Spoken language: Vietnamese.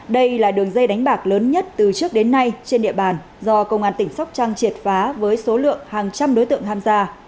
đây là đường dây đánh bạc lớn nhất từ trước đến nay trên địa bàn do công an tỉnh sóc trăng triệt phá với số lượng hàng trăm đối tượng tham gia